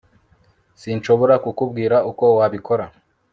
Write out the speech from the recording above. sinshobora kukubwira uko wabikora